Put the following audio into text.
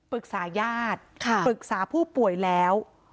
ปรึกษาญาติปรึกษาผู้ป่วยแล้ว